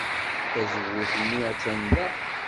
Tazewwut-nni attan da.